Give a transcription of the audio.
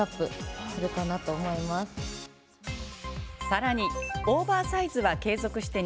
さらに、オーバーサイズは継続して